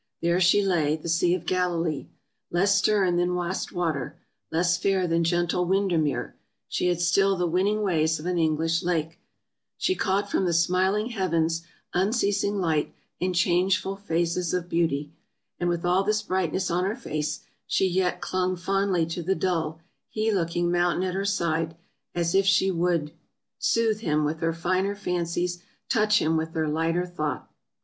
There she lay, the Sea of Galilee. Less stern than Wastwater — less fair than gentle Winder mere— she had still the winning ways of an English lake; she caught from the smiling heavens unceasing light and changeful phases of beauty; and with all this brightness on her face, she yet clung fondly to the dull he looking moun tain at her side, as if she would " Soothe him with her finer fancies, Touch him with her lighter thought."